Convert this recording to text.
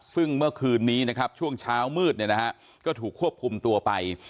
ซึ่งเมื่อคืนนี้นะครับช่วงเช้ามืดเนี่ยนะฮะก็ถูกควบคุมตัวไป